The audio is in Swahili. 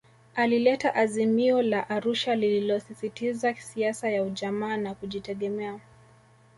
Alileta Azimio la Arusha lililosisitiza siasa ya Ujamaa na Kujitegemea